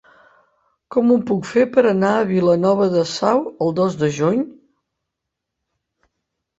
Com ho puc fer per anar a Vilanova de Sau el dos de juny?